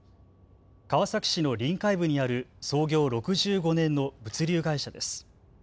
川崎市の臨海部にある創業６５年の物流会社です。